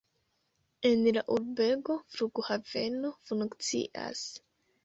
En la urbego flughaveno funkcias.